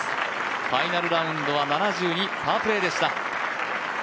ファイナルラウンドは７２、パープレーでした。